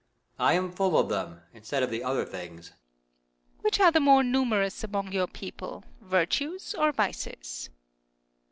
I am full of them, instead of the other things. Earth. Which are the more numerous among your people, virtues or vices